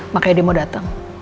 makanya dia mau datang